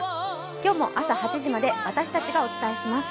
今日も朝８時まで私たちがお伝えします。